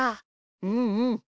うんうん。